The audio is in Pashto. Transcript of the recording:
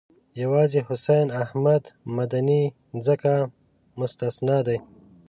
یوازې حسین احمد مدني ځکه مستثنی دی.